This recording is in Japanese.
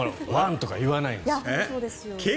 ワンとか言わないんですね。